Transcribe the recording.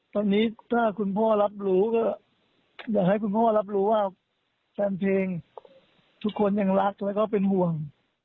ตอนนี้ถ้าคุณพ่อรับรู้ก็อยากให้คุณพ่อรับรู้ว่าแฟนเพลงทุกคนยังรักแล้วก็เป็นห่วง